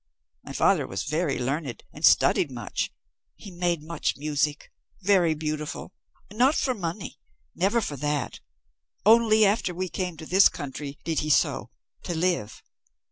My father was very learned and studied much. He made much music very beautiful not for money never for that. Only after we came to this country did he so, to live.